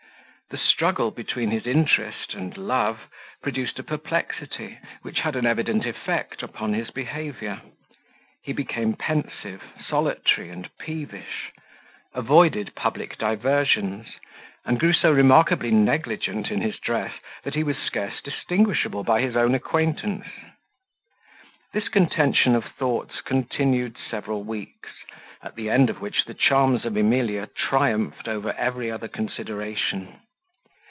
The struggle between his interest and love produced a perplexity which had an evident effect upon his behaviour: he became pensive, solitary, and peevish; avoided public diversions; and grew so remarkably negligent in his dress, that he was scarce distinguishable by his own acquaintance. This contention of thoughts continued several weeks, at the end of which the charms of Emilia triumphed over every other consideration.